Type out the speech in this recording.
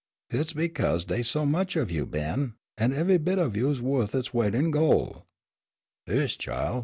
"Hit's because dey's so much of you, Ben, an' evah bit of you's wo'th its weight in gol'." "Heish, chile!